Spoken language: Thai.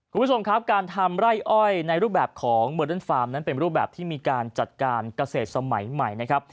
คุณผู้ชมครับการทำไร่อ้อยในรูปแบบของเมอร์เดิร์นฟาร์มนั้นเป็นรูปแบบที่มีการจัดการเกษตรสมัยใหม่นะครับ